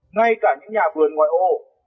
ngay cả những nhà vườn ngoài ô